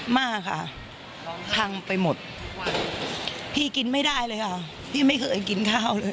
มากค่ะพังไปหมดพี่กินไม่ได้เลยค่ะ